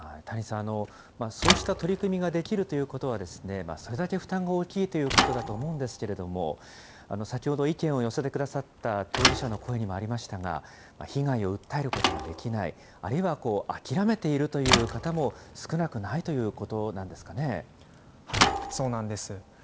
谷井さん、そうした取り組みができるということは、それだけ負担が大きいということだと思うんですけれども、先ほど意見を寄せてくださった当事者の声にもありましたが、被害を訴えることができない、あるいは諦めているという方も少なくないということなそうなんです。